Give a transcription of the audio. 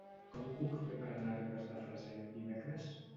Com ho puc fer per anar a Ribes de Freser dimecres?